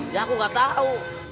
ya aku gak tau